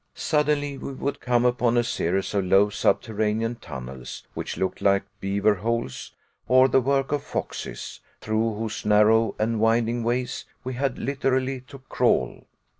Suddenly we would come upon a series of low subterranean tunnels which looked like beaver holes, or the work of foxes through whose narrow and winding ways we had literally to crawl!